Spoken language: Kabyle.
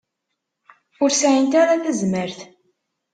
Ur sɛint ara tazmert.